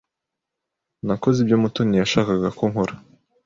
Nakoze ibyo Mutoni yashakaga ko nkora.